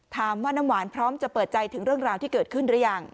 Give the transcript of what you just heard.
น้ำหวานพร้อมจะเปิดใจถึงเรื่องราวที่เกิดขึ้นหรือยัง